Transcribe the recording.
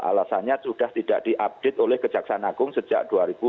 alasannya sudah tidak diupdate oleh kejaksaan agung sejak dua ribu empat belas